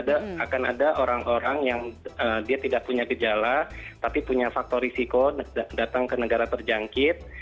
akan ada orang orang yang dia tidak punya gejala tapi punya faktor risiko datang ke negara terjangkit